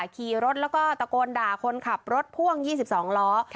ขี่รถแล้วก็ตะโกนด่าคนขับรถพ่วง๒๒ล้อ